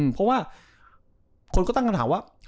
เพราะว่าคนก็ตั้งคำถามว่า